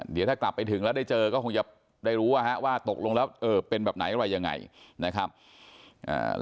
เดี๋ยวถ้ากลับไปถึงแล้วได้เจอก็คงจะได้รู้ว่าตกลงแล้วเออเป็นแบบไหนอะไรยังไงนะครับอ่า